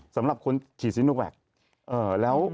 สำหรับคนสินวาก